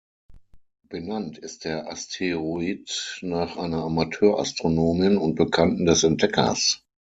Benannt ist der Asteroid nach einer Amateur-Astronomin und Bekannten des Entdeckers.